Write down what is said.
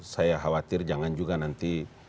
saya khawatir jangan juga nanti